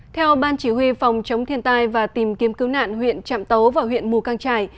theo ban chỉ huy phòng chống thiên tai và tìm kiếm cứu nạn huyện trạm tấu và huyện mù căng trải